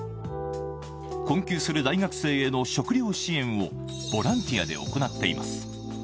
困窮する大学生への食糧支援をボランティアで行っています。